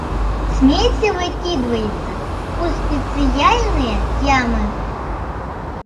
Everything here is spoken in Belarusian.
Смецце выкідваецца ў спецыяльныя ямы.